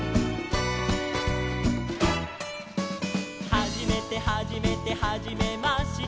「はじめてはじめてはじめまして」